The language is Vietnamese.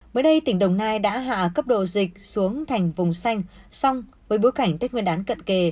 mới đây tỉnh đồng nai đã hạ cấp độ dịch xuống thành vùng xanh song với bối cảnh tết nguyên đán cận kề